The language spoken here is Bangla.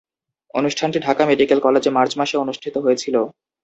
অনুষ্ঠানটি ঢাকা মেডিকেল কলেজে মার্চ মাসে অনুষ্ঠিত হয়েছিলো।